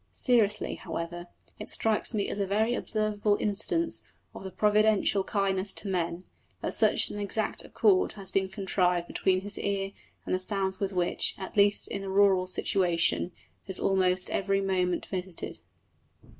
Seriously, however, it strikes me as a very observable instance of providential kindness to men, that such an exact accord has been contrived between his ear and the sounds with which, at least in a rural situation, it is almost every moment visited."